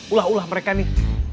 ulah ulah mereka nih